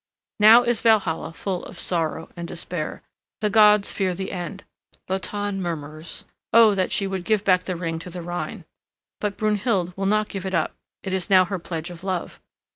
Now is Valhalla full of sorrow and despair. The gods fear the end. Wotan murmurs, "O that she would give back the ring to the Rhine." But Brunhild will not give it up, it is now her pledge of love.